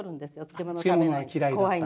漬物が嫌いだったから。